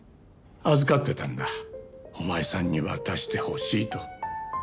預かってたんだお前さんに渡してほしいと。